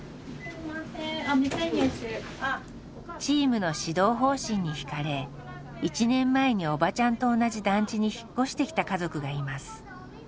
チームの指導方針に惹かれ１年前におばちゃんと同じ団地に引っ越してきた家族がいます。